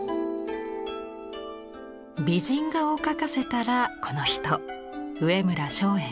美人画を描かせたらこの人上村松園。